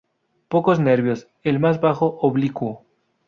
Pocos nervios, el más bajo oblicuo.